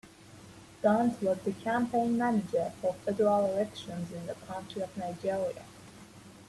Gant was the campaign manager for federal elections in the country of Nigeria.